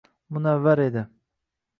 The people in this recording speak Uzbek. Munavvar edi.